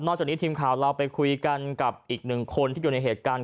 จากนี้ทีมข่าวเราไปคุยกันกับอีกหนึ่งคนที่อยู่ในเหตุการณ์